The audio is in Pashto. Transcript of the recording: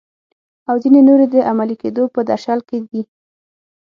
او ځینې نورې د عملي کیدو په درشل کې دي.